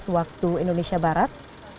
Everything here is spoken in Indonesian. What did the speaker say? waktu indonesia barat